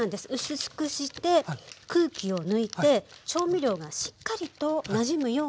薄くして空気を抜いて調味料がしっかりとなじむようにして下さい。